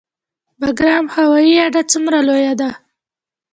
بګرام هوایي اډه څومره لویه ده؟